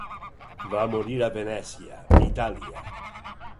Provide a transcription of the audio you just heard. Va morir a Venècia, Itàlia.